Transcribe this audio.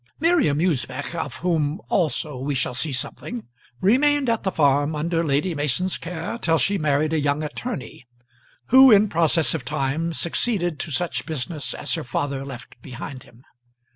Miriam Usbech, of whom also we shall see something, remained at the farm under Lady Mason's care till she married a young attorney, who in process of time succeeded to such business as her father left behind him.